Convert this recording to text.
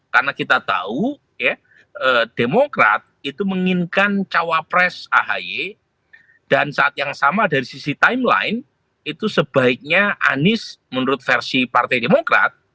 karena kita tahu demokrat itu menginginkan cawapres ahy dan saat yang sama dari sisi timeline itu sebaiknya anis menurut versi partai demokrat